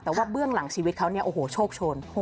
แต่ว่าเบื้องหลังชีวิตเขาเนี่ยโอ้โหโชคโชน